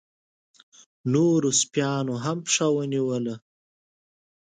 نورو سپيو هم پښه ونيوله.